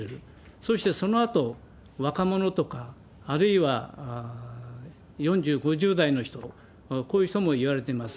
そしてそのあと、若者とか、あるいは４０、５０代の人、こういう人もいわれてます。